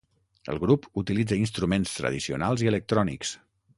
El grup utilitza instruments tradicionals i electrònics.